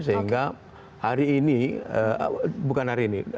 sehingga hari ini bukan hari ini